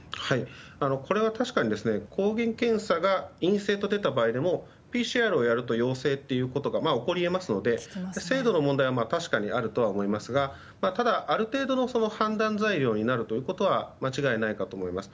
これは確かに抗原検査が陰性と出た場合でもＰＣＲをやると陽性ということが起こり得ますので精度の問題は確かにあると思いますがただ、ある程度の判断材料になるということは間違いないかと思います。